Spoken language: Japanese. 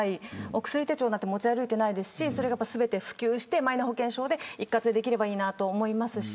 お薬手帳なんて持ち歩いてませんしそれが普及して、マイナ保険証で一括でできればいいと思いますし